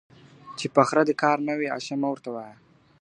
¬ چي په خره دي کار نه وي، اشه مه ورته وايه.